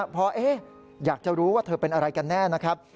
เพราะอยากจะรู้ว่าเธอเป็นอะไรกันแน่นะครับ